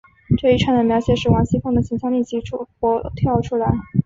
这一串的描写使王熙凤的形象立即活跳出来。